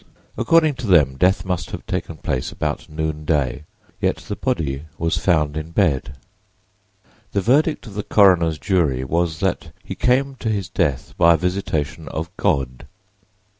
According to them, death must have taken place about noonday, yet the body was found in bed. The verdict of the coroner's jury was that he "came to his death by a visitation of God."